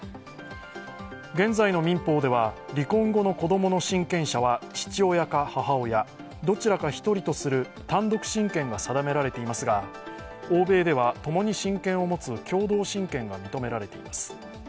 現在の民法では離婚後の子供の親権者は父親か母親、どちらか１人とする単独親権が定められていますが欧米ではともに親権を持つ共同親権が認められています。